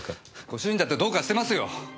ご主人だってどうかしてますよ。